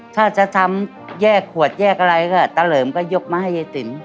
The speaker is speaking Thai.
ถ้าจะทำแยกขวดแยกอะไรก็ตะเหลิมก็ยกมาให้ยายติ๋ม